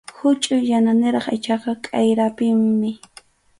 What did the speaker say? Huchʼuy yananiraq aychaqa k’ayrapinmi.